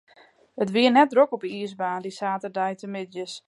It wie net drok op de iisbaan, dy saterdeitemiddeis ein jannewaris.